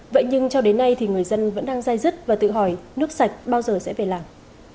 vậy nhưng cho đến nay thì người dân vẫn đang dai dứt và tự hỏi nước sạch bao giờ sẽ về làm